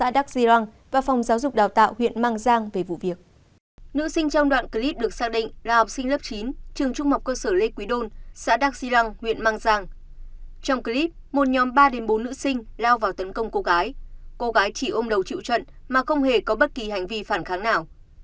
trong clip một nhóm ba bốn nữ sinh lao vào tấn công cô gái cô gái chị ôm đầu chịu trận mà không hề có bất kỳ hành vi phản kháng nào